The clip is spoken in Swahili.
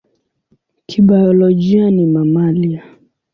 Kibiolojia ni mamalia.